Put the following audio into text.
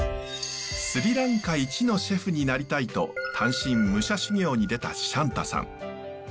スリランカ一のシェフになりたいと単身武者修行に出たシャンタさん。